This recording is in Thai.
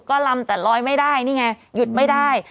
ก็ลำแต่ลอยไม่ได้นี่ไงหยุดไม่ได้